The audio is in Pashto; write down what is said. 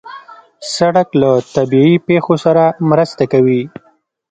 سړک له طبیعي پېښو سره مرسته کوي.